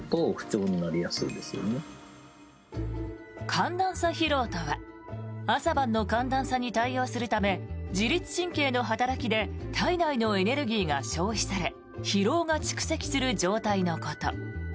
寒暖差疲労とは朝晩の寒暖差に対応するため自律神経の働きで体内のエネルギーが消費され疲労が蓄積する状態のこと。